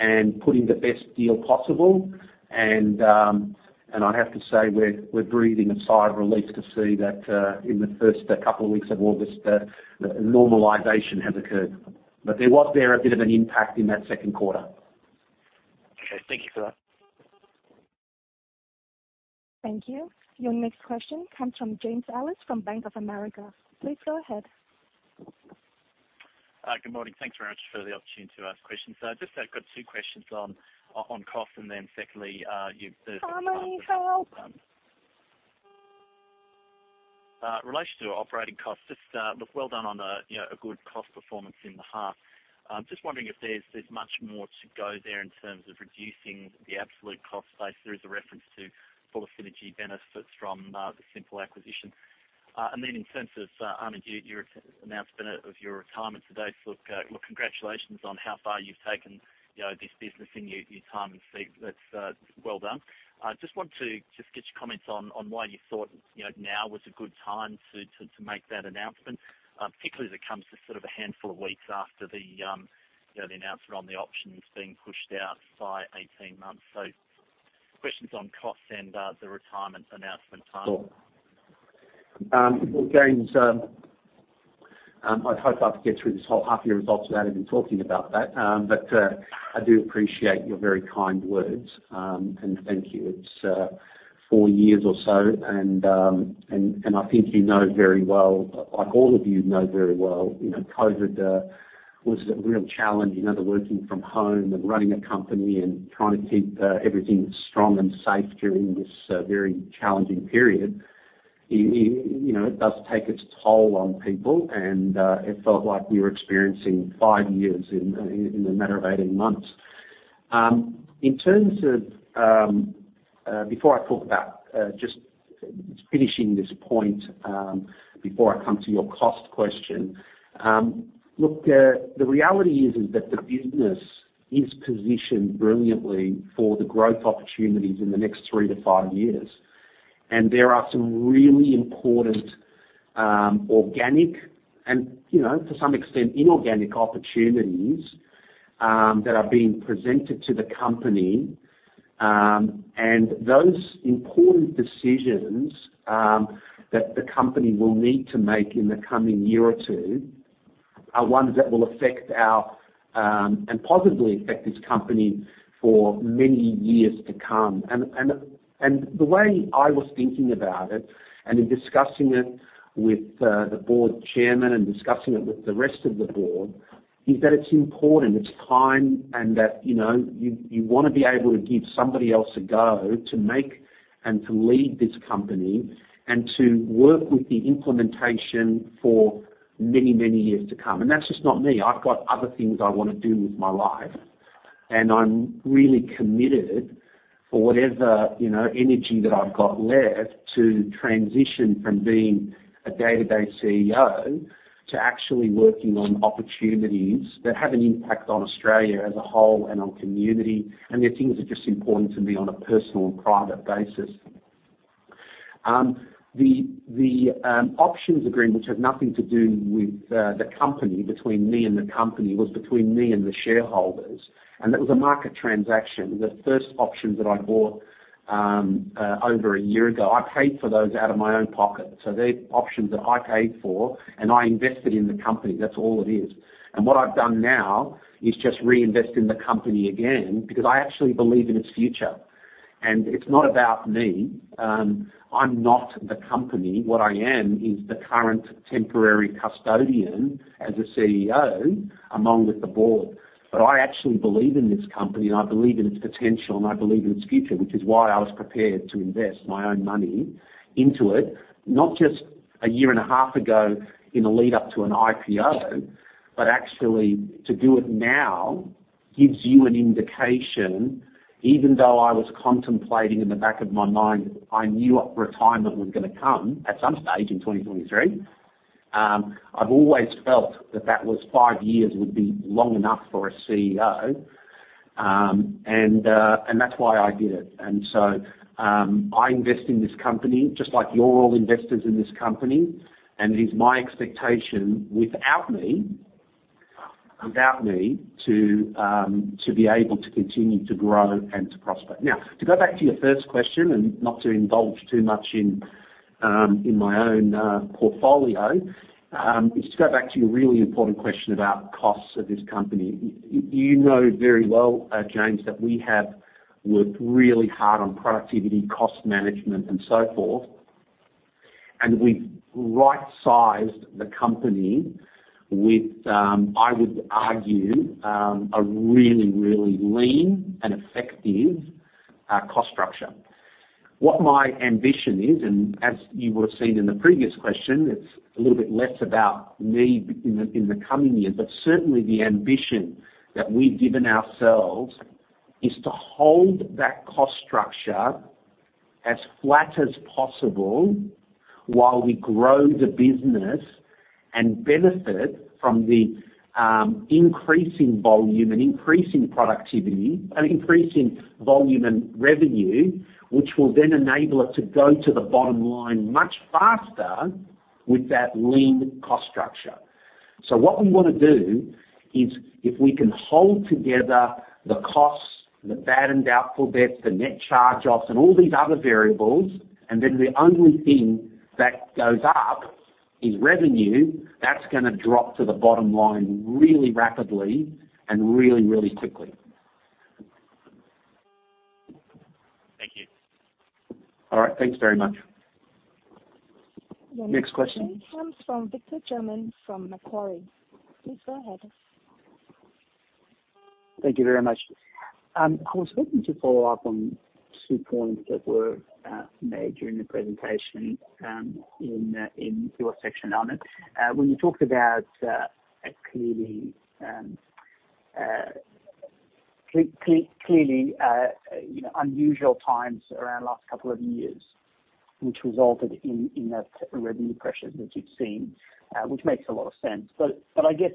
and putting the best deal possible. I have to say we're breathing a sigh of relief to see that in the first couple of weeks of August that normalization has occurred. There was a bit of an impact in that second quarter. Okay. Thank you for that. Thank you. Your next question comes from James Ellis from Bank of America. Please go ahead. Good morning. Thanks very much for the opportunity to ask questions. Just I've got two questions on costs, and then secondly, you- How many calls? In relation to operating costs, just look, well done on a, you know, a good cost performance in the half. Just wondering if there's much more to go there in terms of reducing the absolute cost base. There is a reference to full synergy benefits from the Symple acquisition. Then in terms of Ahmed Fahour, your announcement of your retirement today, look, congratulations on how far you've taken, you know, this business in your time and see that's well done. Just want to get your comments on why you thought, you know, now was a good time to make that announcement, particularly as it comes to sort of a handful of weeks after the, you know, the announcement on the options being pushed out by 18 months. Questions on costs and the retirement announcement time. Sure. Well, James, I'd hope I could get through this whole half year results without even talking about that. I do appreciate your very kind words, and thank you. It's 4 years or so, and I think you know very well, like all of you know very well, you know, COVID was a real challenge. You know, the working from home and running a company and trying to keep everything strong and safe during this very challenging period. You know, it does take its toll on people, and it felt like we were experiencing 5 years in a matter of 18 months. Just finishing this point before I come to your cost question. Look, the reality is that the business is positioned brilliantly for the growth opportunities in the next 3-5 years. There are some really important organic and, you know, to some extent, inorganic opportunities that are being presented to the company. Those important decisions that the company will need to make in the coming year or 2 are ones that will positively affect this company for many years to come. The way I was thinking about it, and in discussing it with the board chairman and discussing it with the rest of the board, is that it's important, it's time, and that, you know, you wanna be able to give somebody else a go to make and to lead this company and to work with the implementation for many, many years to come. That's just not me. I've got other things I wanna do with my life. I'm really committed for whatever, you know, energy that I've got left to transition from being a day-to-day CEO to actually working on opportunities that have an impact on Australia as a whole and on community, and they're things that are just important to me on a personal and private basis. The options agreement had nothing to do with the company, between me and the company. It was between me and the shareholders, and that was a market transaction. The first options that I bought over a year ago, I paid for those out of my own pocket. So they're options that I paid for, and I invested in the company. That's all it is. What I've done now is just reinvest in the company again because I actually believe in its future. It's not about me. I'm not the company. What I am is the current temporary custodian as a CEO, along with the board. I actually believe in this company, and I believe in its potential, and I believe in its future, which is why I was prepared to invest my own money into it, not just a year and a half ago in the lead-up to an IPO, but actually to do it now gives you an indication, even though I was contemplating in the back of my mind, I knew retirement was gonna come at some stage in 2023. I've always felt that was five years would be long enough for a CEO. And that's why I did it. I invest in this company just like you're all investors in this company, and it is my expectation, without me to be able to continue to grow and to prosper. Now, to go back to your first question and not to indulge too much in my own portfolio is to go back to your really important question about costs of this company. You know very well, James, that we have worked really hard on productivity, cost management, and so forth, and we've right-sized the company with, I would argue, a really lean and effective cost structure. What my ambition is, and as you would've seen in the previous question, it's a little bit less about me in the coming year. Certainly, the ambition that we've given ourselves is to hold that cost structure as flat as possible while we grow the business and benefit from the increasing volume and increasing productivity and increasing volume and revenue, which will then enable it to go to the bottom line much faster with that lean cost structure. What we wanna do is if we can hold together the costs, the bad and doubtful debts, the net charge-offs, and all these other variables, and then the only thing that goes up is revenue, that's gonna drop to the bottom line really rapidly and really, really quickly. Thank you. All right. Thanks very much. Next question. The next question comes from Victor German from Macquarie. Please go ahead. Thank you very much. I was hoping to follow up on two points that were made during the presentation in your section, Ahmed Fahour. When you talked about clearly, you know, unusual times around last couple of years, which resulted in that revenue pressures that you've seen, which makes a lot of sense. I guess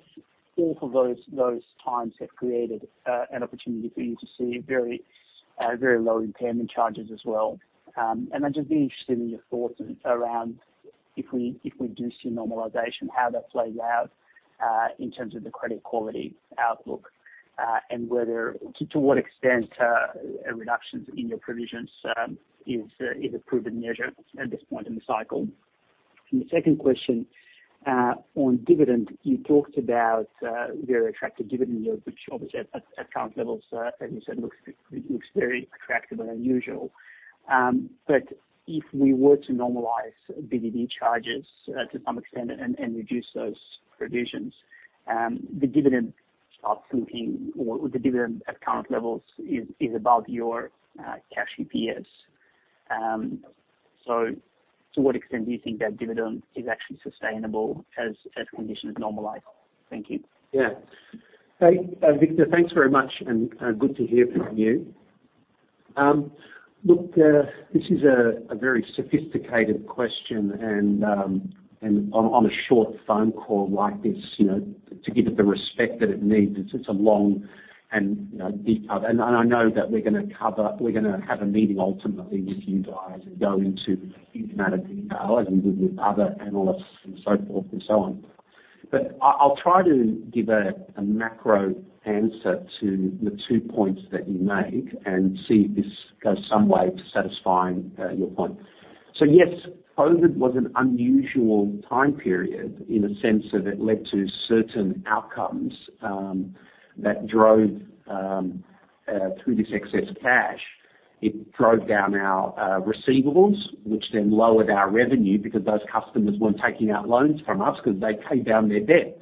all of those times have created an opportunity for you to see very low impairment charges as well. I'm just really interested in your thoughts around if we do see normalization, how that plays out in terms of the credit quality outlook, and whether to what extent reductions in your provisions is a proven measure at this point in the cycle. The second question, on dividend, you talked about very attractive dividend yield, which obviously at current levels, as you said, looks very attractive and unusual. If we were to normalize BDD charges to some extent and reduce those provisions, the dividend ultimately or the dividend at current levels is above your cash EPS. To what extent do you think that dividend is actually sustainable as conditions normalize? Thank you. Yeah. Hey, Victor, thanks very much and good to hear from you. Look, this is a very sophisticated question and on a short phone call like this, you know, to give it the respect that it needs, it's a long and you know, deep dive. I know that we're gonna have a meeting ultimately with you guys and go into intimate detail as we did with other analysts and so forth and so on. I'll try to give a macro answer to the two points that you make and see if this goes some way to satisfying your point. Yes, COVID was an unusual time period in the sense that it led to certain outcomes that drove through this excess cash. It drove down our receivables, which then lowered our revenue because those customers weren't taking out loans from us because they paid down their debt.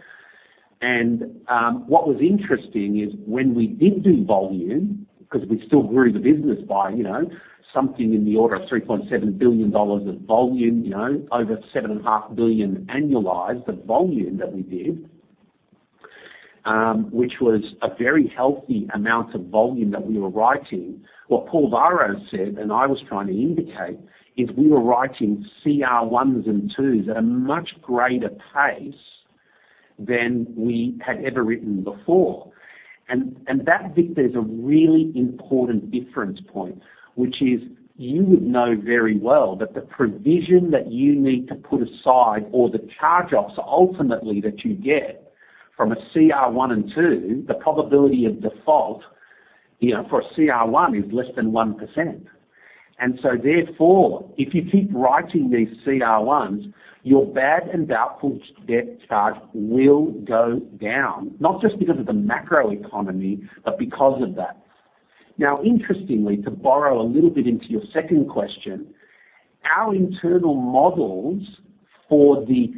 What was interesting is when we did do volume, because we still grew the business by, you know, something in the order of 3.7 billion dollars of volume, you know, over 7.5 billion annualized, the volume that we did, which was a very healthy amount of volume that we were writing. What Paul Varro said, and I was trying to indicate, is we were writing CR ones and twos at a much greater pace than we had ever written before. That, Victor, is a really important difference point, which is you would know very well that the provision that you need to put aside or the charge-offs ultimately that you get from a CR1 and 2, the probability of default, you know, for a CR1 is less than 1%. Therefore, if you keep writing these CR1s, your bad and doubtful debt charge will go down, not just because of the macro economy, but because of that. Now interestingly, to borrow a little bit into your second question, our internal models for the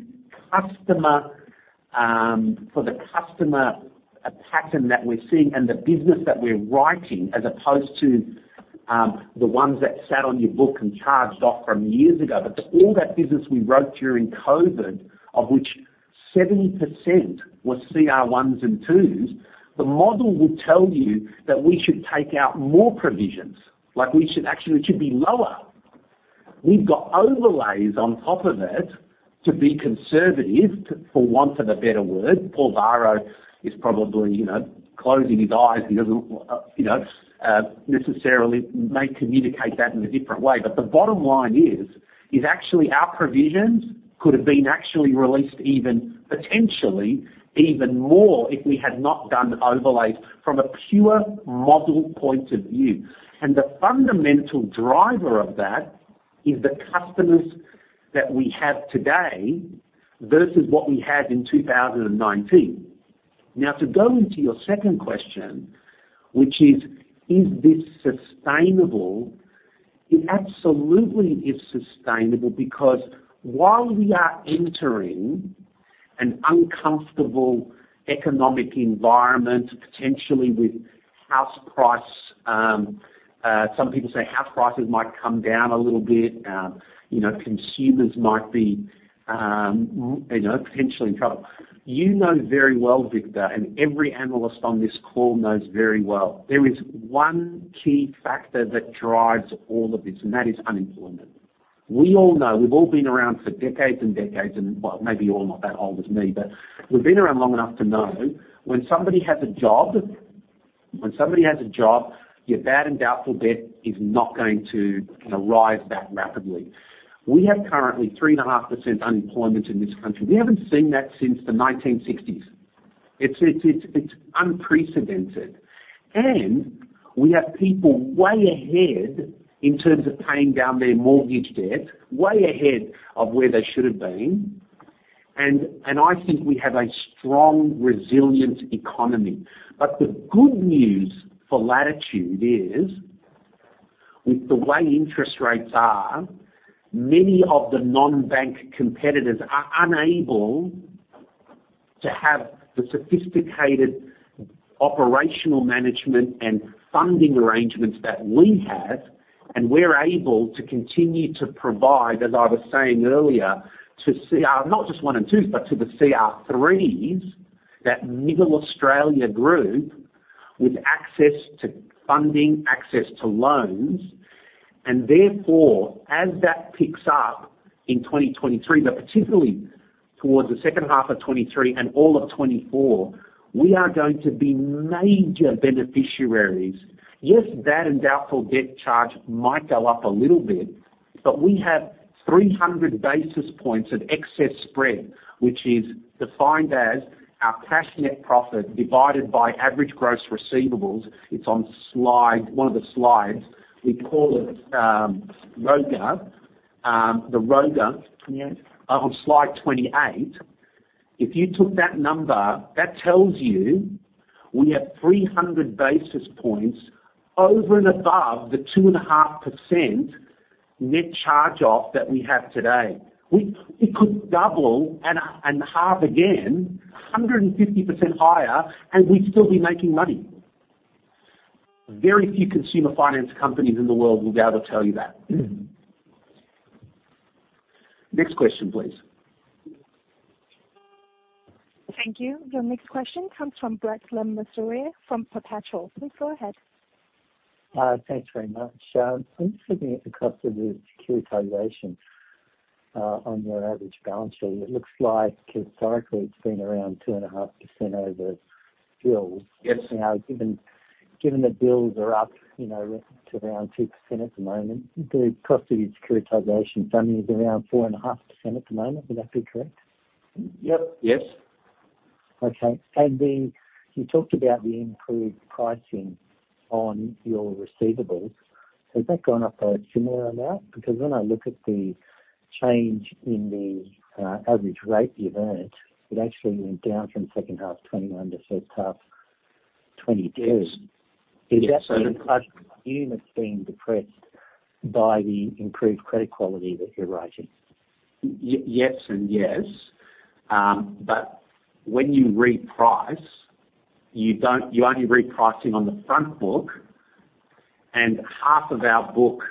customer a pattern that we're seeing and the business that we're writing as opposed to the ones that sat on your book and charged off from years ago. All that business we wrote during COVID, of which 70% was CR1s and CR2s, the model will tell you that we should take out more provisions, like we should actually it should be lower. We've got overlays on top of it to be conservative, to for want of a better word. Paul Varro is probably, you know, closing his eyes. He doesn't, you know, necessarily may communicate that in a different way. The bottom line is actually our provisions could have been actually released even potentially even more if we had not done overlays from a pure model point of view. The fundamental driver of that is the customers that we have today versus what we had in 2019. Now, to go into your second question, which is this sustainable? It absolutely is sustainable because while we are entering an uncomfortable economic environment, potentially with house price, some people say house prices might come down a little bit, you know, consumers might be, you know, potentially in trouble. You know very well, Victor German, and every analyst on this call knows very well, there is one key factor that drives all of this, and that is unemployment. We all know, we've all been around for decades and decades. Well, maybe you're not that old as me, but we've been around long enough to know when somebody has a job, your bad and doubtful debt is not going to, you know, rise that rapidly. We have currently 3.5% unemployment in this country. We haven't seen that since the 1960s. It's unprecedented. We have people way ahead in terms of paying down their mortgage debt, way ahead of where they should've been, and I think we have a strong, resilient economy. The good news for Latitude is, with the way interest rates are, many of the non-bank competitors are unable to have the sophisticated operational management and funding arrangements that we have, and we're able to continue to provide, as I was saying earlier, to CR, not just one and twos, but to the CR threes, that middle Australia group with access to funding, access to loans. Therefore, as that picks up in 2023, but particularly towards the second half of 2023 and all of 2024, we are going to be major beneficiaries. Yes, bad and doubtful debt charge might go up a little bit, but we have 300 basis points of excess spread, which is defined as our cash net profit divided by average gross receivables. It's on one of the slides. We call it ROGA. The ROGA on slide 28. If you took that number, that tells you we have 300 basis points over and above the 2.5% net charge-off that we have today. We could double and half again, 150% higher, and we'd still be making money. Very few consumer finance companies in the world will be able to tell you that. Next question, please. Thank you. Your next question comes from Brett Le Mesurier from Perpetual. Please go ahead. Thanks very much. I'm just looking at the cost of the securitization on your average balance sheet. It looks like historically it's been around 2.5% over bills. Yes. Now, given that bills are up, you know, to around 2% at the moment, the cost of your securitization funding is around 4.5% at the moment. Would that be correct? Yep. Yes. Okay. You talked about the improved pricing on your receivables. Has that gone up by a similar amount? Because when I look at the change in the average rate you've earned, it actually went down from second half 2021 to first half 2022. Yes. Is that the cost of funding that's being depressed? By the improved credit quality that you're raising? Yes and yes. When you reprice, you're only repricing on the front book, and half of our book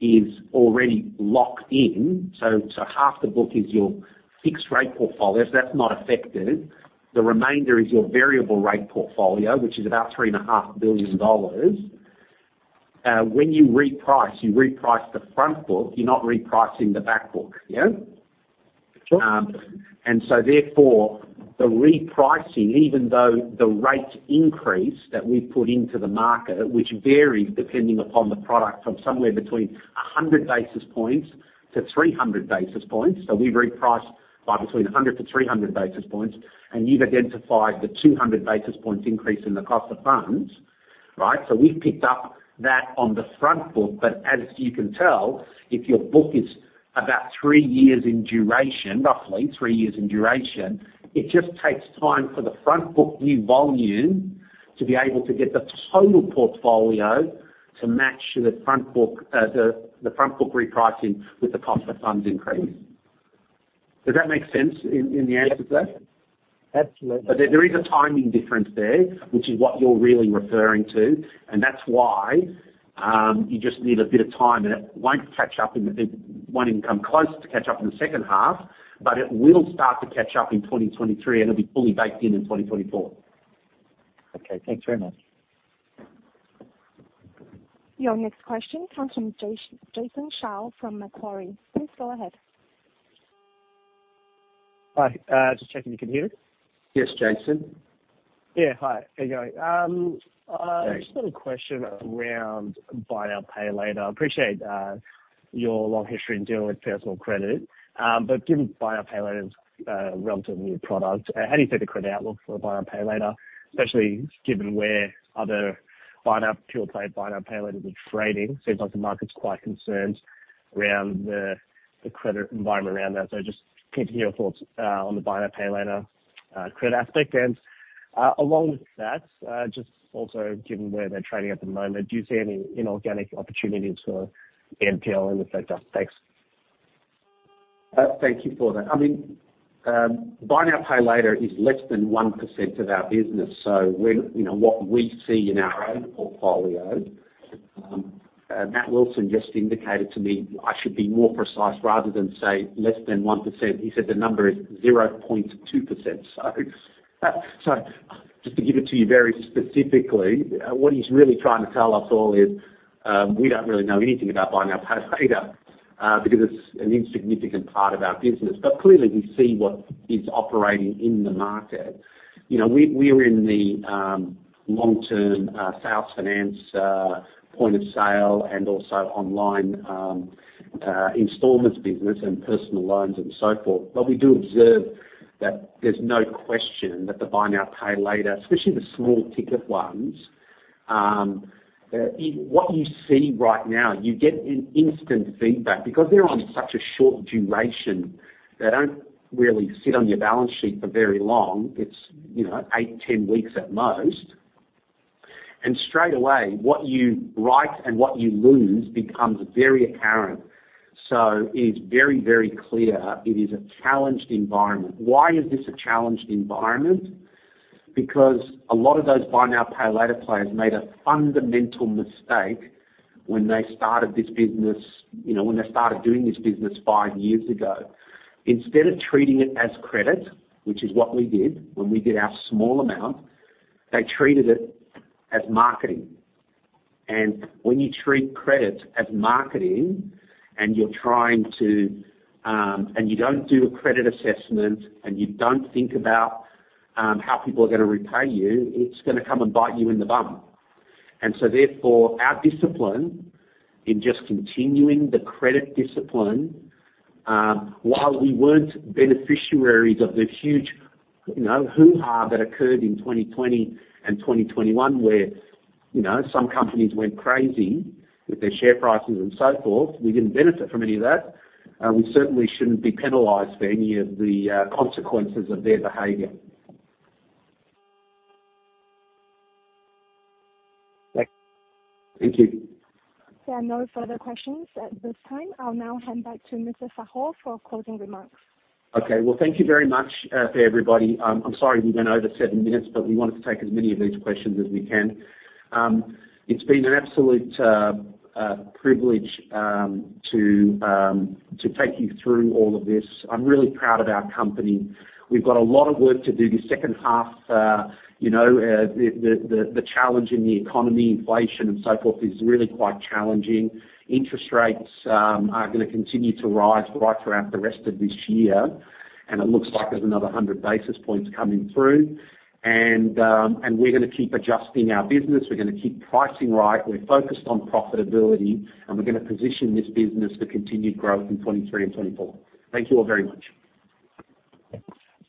is already locked in. Half the book is your fixed rate portfolio. That's not affected. The remainder is your variable rate portfolio, which is about three and a half billion dollars. When you reprice, you reprice the front book, you're not repricing the back book. Yeah. Sure. Therefore, the repricing, even though the rate increase that we put into the market, which varies depending upon the product from somewhere between 100-300 basis points. We reprice by between 100-300 basis points, and you've identified the 200 basis points increase in the cost of funds, right? We've picked up that on the front book. But as you can tell, if your book is about 3 years in duration, roughly 3 years in duration, it just takes time for the front book new volume to be able to get the total portfolio to match the front book, the front book repricing with the cost of funds increase. Does that make sense in the answer to that? Absolutely. There is a timing difference there, which is what you're really referring to, and that's why you just need a bit of time, and it won't even come close to catch up in the second half, but it will start to catch up in 2023, and it'll be fully baked in in 2024. Okay. Thanks very much. Your next question comes from Jason Shao from Macquarie. Please go ahead. Hi. Just checking you can hear me. Yes, Jason. Yeah. Hi. How are you going? Just got a question around buy now, pay later. I appreciate your long history in dealing with personal credit. But given buy now, pay later is a relatively new product, how do you see the credit outlook for buy now, pay later, especially given where other buy now, pure-play buy now, pay later is trading? Seems like the market's quite concerned around the credit environment around that. Just keen to hear your thoughts on the buy now, pay later credit aspect. Along with that, just also given where they're trading at the moment, do you see any inorganic opportunities for BNPL in the sector? Thanks. Thank you for that. I mean, buy now, pay later is less than 1% of our business. You know, what we see in our own portfolio, and Matt Wilson just indicated to me I should be more precise. Rather than say less than 1%, he said the number is 0.2%. So just to give it to you very specifically, what he's really trying to tell us all is, we don't really know anything about buy now, pay later, because it's an insignificant part of our business. But clearly, we see what is operating in the market. You know, we're in the long-term sales finance, point of sale and also online installments business and personal loans and so forth. We do observe that there's no question that the buy now, pay later, especially the small ticket ones, what you see right now, you get an instant feedback. Because they're on such a short duration, they don't really sit on your balance sheet for very long. It's, you know, 8, 10 weeks at most. Straight away, what you write and what you lose becomes very apparent. It is very, very clear it is a challenged environment. Why is this a challenged environment? Because a lot of those buy now, pay later players made a fundamental mistake when they started this business, you know, when they started doing this business 5 years ago. Instead of treating it as credit, which is what we did when we did our small amount, they treated it as marketing. When you treat credit as marketing and you don't do a credit assessment, and you don't think about how people are gonna repay you, it's gonna come and bite you in the bum. Our discipline in just continuing the credit discipline, while we weren't beneficiaries of the huge, you know, hoo-ha that occurred in 2020 and 2021, where, you know, some companies went crazy with their share prices and so forth, we didn't benefit from any of that. We certainly shouldn't be penalized for any of the consequences of their behavior. Thanks. Thank you. There are no further questions at this time. I'll now hand back to Mr. Fahour for closing remarks. Okay. Well, thank you very much, everybody. I'm sorry we went over 7 minutes, but we wanted to take as many of these questions as we can. It's been an absolute privilege to take you through all of this. I'm really proud of our company. We've got a lot of work to do this second half. You know, the challenge in the economy, inflation and so forth is really quite challenging. Interest rates are gonna continue to rise right throughout the rest of this year, and it looks like there's another 100 basis points coming through. We're gonna keep adjusting our business. We're gonna keep pricing right. We're focused on profitability, and we're gonna position this business for continued growth in 2023 and 2024. Thank you all very much.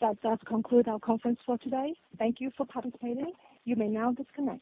That does conclude our conference for today. Thank you for participating. You may now disconnect.